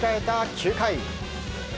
９回。